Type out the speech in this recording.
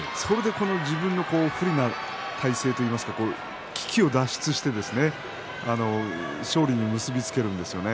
自分の不利な体勢から危機を脱出して勝利に結び付けるんですよね。